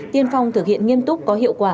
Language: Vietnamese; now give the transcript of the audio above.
tiên phong thực hiện nghiêm túc có hiệu quả